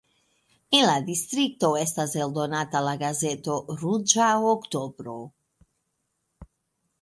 En la distrikto estas eldonata la gazeto "Ruĝa oktobro".